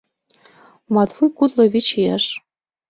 Матвуй кудло вич ияш.